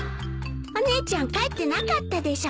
お姉ちゃん帰ってなかったでしょ？